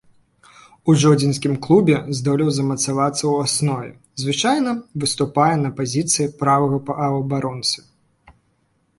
У жодзінскім клубе здолеў замацавацца ў аснове, звычайна выступае на пазіцыі правага паўабаронцы.